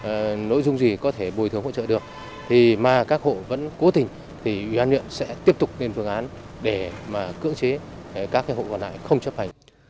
còn có điều kiện gì có nội dung gì có thể bồi thường hỗ trợ được thì mà các hộ vẫn cố tình thì ủy ban nhân sẽ tiếp tục lên phương án để cưỡng chế các hộ còn lại không chấp hành